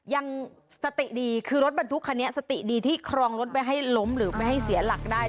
ยังสติดีคือรถบรรทุกคันนี้สติดีที่ครองรถไว้ให้ล้มหรือไม่ให้เสียหลักได้